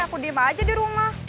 aku diem aja di rumah